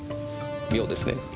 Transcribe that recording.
妙ですね。